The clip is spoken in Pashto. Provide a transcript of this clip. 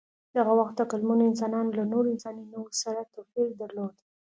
د هغه وخت عقلمنو انسانانو له نورو انساني نوعو سره توپیر درلود.